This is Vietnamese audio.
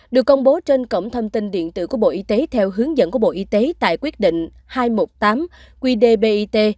được công bố trên cổng thông tin điện tử của bộ y tế theo hướng dẫn của bộ y tế tại quyết định hai trăm một mươi tám qdbit